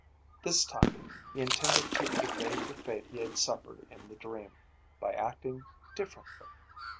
This time he intended to evade the fate he had suffered in the dream by acting differently.